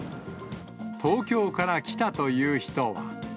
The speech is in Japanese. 東京から来たという人は。